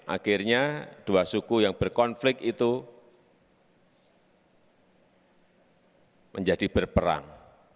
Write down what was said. akhirnya dua suku yang berkonflik itu menjadi berperang